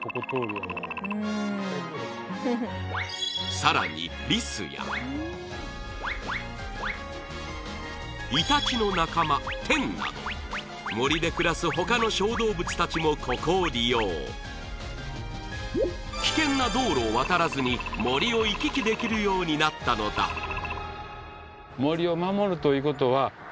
さらにリスやイタチの仲間テンなど森で暮らす他の小動物たちもここを利用危険な道路を渡らずに森を行き来できるようになったのだそう